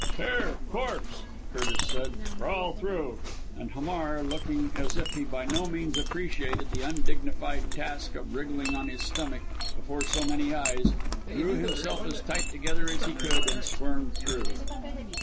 "Here, corpse!" Curtis said, "crawl through" and Hamar, looking as if he by no means appreciated the undignified task of wriggling on his stomach before so many eyes, drew himself as tight together as he could, and squirmed through.